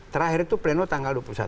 terakhir itu pleno tanggal dua puluh satu